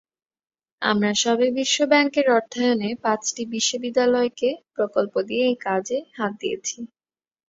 আমরা সবে বিশ্বব্যাংকের অর্থায়নে পাঁচটি বিশ্ববিদ্যালয়কে প্রকল্প দিয়ে এই কাজে হাত দিয়েছি।